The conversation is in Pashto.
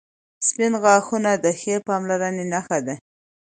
• سپین غاښونه د ښې پاملرنې نښه ده.